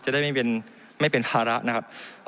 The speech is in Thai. จะได้ไม่เป็นภาระนะครับ